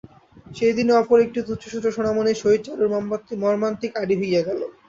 সেই দিনই অপর একটা তুচ্ছসূত্রে সোনামণির সহিত চারুর মর্মান্তিক আড়ি হইয়া গেল।